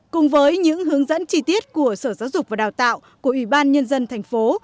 cùng với những hướng dẫn chi tiết của sở giáo dục và đào tạo của ủy ban nhân dân thành phố